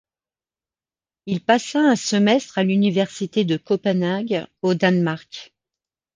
Il passa un semestre à l'Université de Copenhague, au Danemark.